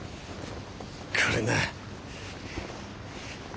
これな。